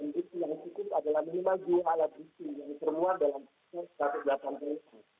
dan bukti yang cukup adalah minimal jualan bukti yang semua dalam set satu ratus delapan puluh empat